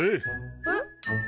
えっ？